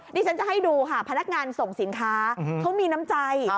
ดิฉันจะให้ดูค่ะพนักงานส่งสินค้าเขามีน้ำใจ